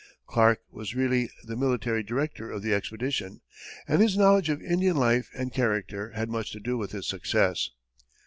Clark was really the military director of the expedition, and his knowledge of Indian life and character had much to do with its success.